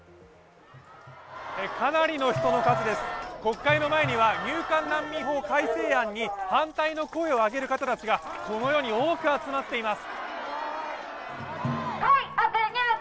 かなりの人の数です、国会の前には入管難民法改正案に反対の声をあげる方たちがこのように多く集まっています。